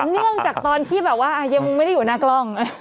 เนื่องจากตอนที่แบบว่ายังไม่ได้อยู่หน้ากล้อง